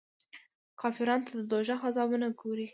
کافرانو ته د دوږخ عذابونه ګوري.